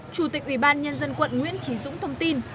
chủ tịch ủy ban nhân dân quận nguyễn trí dũng thông tin